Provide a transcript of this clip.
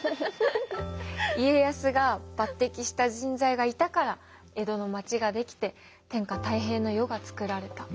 家康が抜てきした人材がいたから江戸のまちが出来て天下太平の世がつくられた。